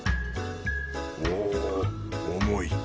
おぉ重い。